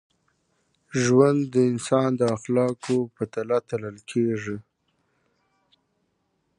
ژوند د انسان د اخلاقو په تله تلل کېږي.